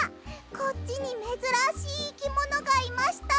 こっちにめずらしいいきものがいました。